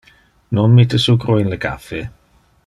Non mitte sucro in le caffe.